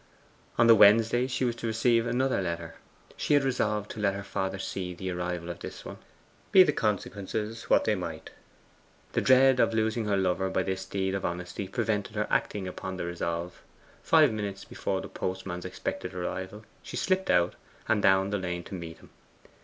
On the Wednesday she was to receive another letter. She had resolved to let her father see the arrival of this one, be the consequences what they might: the dread of losing her lover by this deed of honesty prevented her acting upon the resolve. Five minutes before the postman's expected arrival she slipped out, and down the lane to meet him.